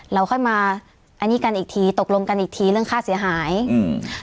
เราค่อยมาอันนี้กันอีกทีตกลงกันอีกทีเรื่องค่าเสียหายอืม